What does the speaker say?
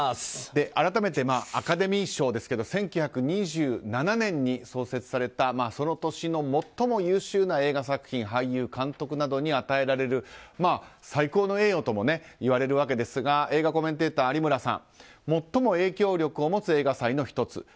改めてアカデミー賞ですが１９２７年に創設されたその年の最も優秀な映画作品俳優、監督などに与えられる最高の栄誉ともいわれるわけですが映画コメンテーター、有村さん。最も影響力を持つ映画祭の１つ。